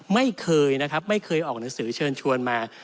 ไม่เคยนะครับไม่เคยออกหนังสือเชิญชวนมา